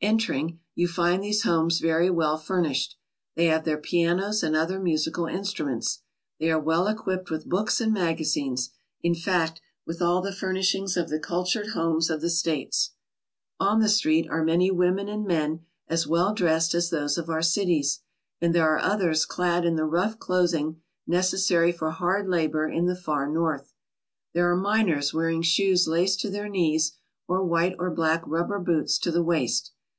Entering, you find these homes very well furnished. They have their pianos and other musical instruments. They are well equipped with books and magazines, in fact, with all the furnishings of the cultured homes of the States. On the street are many women and men as well dressed as those of our cities, and there are others clad in the rough clothing necessary for hard labour in the Far North. There are miners wearing shoes laced to their knees, or white or black rubber boots to the waist.